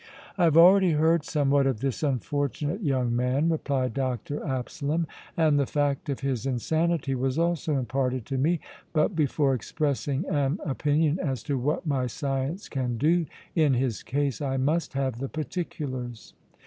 "I have already heard somewhat of this unfortunate young man," replied Dr. Absalom, "and the fact of his insanity was also imparted to me, but before expressing an opinion as to what my science can do in his case, I must have the particulars."